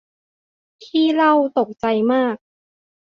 ขี้เหล้าตกใจมาก